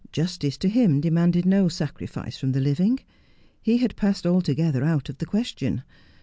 Justice to him demanded no sacrifice from the living. He had passed altogether out of the question.